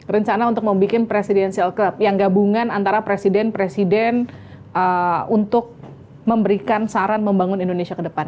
rencana untuk membuat presidensial yang gabungan antara presiden presiden untuk memberikan saran membangun indonesia ke depan